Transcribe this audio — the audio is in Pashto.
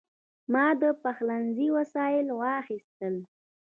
ما د پخلنځي وسایل واخیستل.